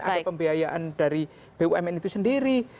ada pembiayaan dari bumn itu sendiri